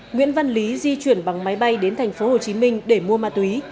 nguyễn văn lý di chuyển bằng máy bay đến thành phố hồ chí minh để mua ma túy